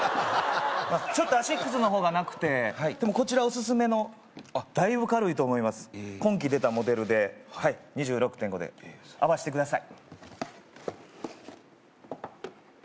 ちょっとアシックスの方がなくてはいでもこちらオススメのだいぶ軽いと思いますええ今期出たモデルではい２６．５で合わせてください